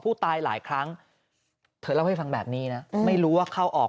หลายครั้งเธอเล่าให้ฟังแบบนี้นะไม่รู้ว่าเข้าออก